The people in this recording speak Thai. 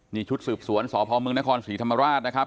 นี่ชุดสืบสวนสพมนครศรีธรรมราชนะครับ